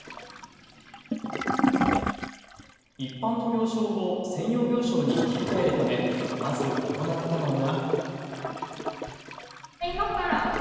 一般の病床を専用病床に切り替えるためまず行ったのが。